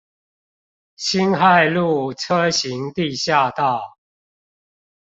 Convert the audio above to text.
辛亥路車行地下道